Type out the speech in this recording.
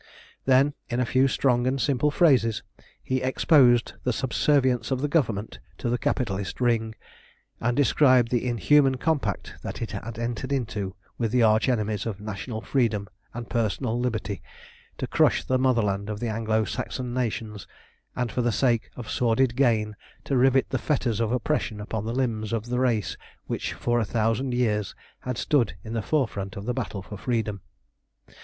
Then in a few strong and simple phrases he exposed the subservience of the Government to the capitalist Ring, and described the inhuman compact that it had entered into with the arch enemies of national freedom and personal liberty to crush the motherland of the Anglo Saxon nations, and for the sake of sordid gain to rivet the fetters of oppression upon the limbs of the race which for a thousand years had stood in the forefront of the battle for freedom.